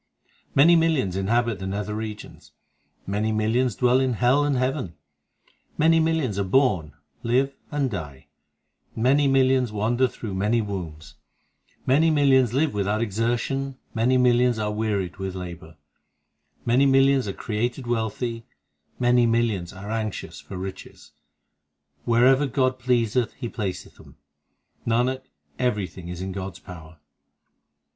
5 Many millions inhabit the nether regions, Many millions dwell in hell and heaven, Many millions are born, live, and die, Many millions wander through many wombs, Many millions live without exertion, 4 Many millions are wearied with labour, Many millions are created wealthy, Many millions are anxious for riches, Wherever God pleaseth He placeth them ; Nanak, everything is in God s power.